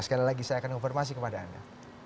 sekali lagi saya akan konfirmasi kepada anda